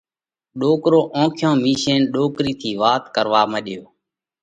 ڏوڪرو اونکيون ميشينَ ڏوڪرِي ٿِي واتون ڪروا مڏيو۔